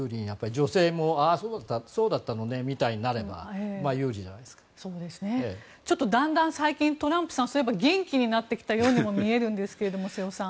女性もそうだったのねみたいになればだんだん最近トランプさん元気になってきたように見えるんですが。